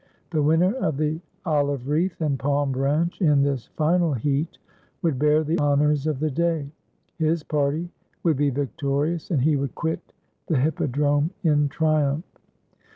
The winner of the olive wreath and palm branch in this final heat would bear the honors of the day; his party would be victorious and he would quit the hippo drome in triumph.